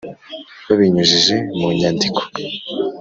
babinyujije mu nyandiko